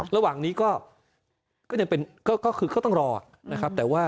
ระหว่างนี้ก็คือเขาต้องรอนะครับ